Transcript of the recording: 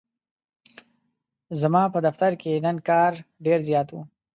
ځماپه دفترکی نن کار ډیرزیات و.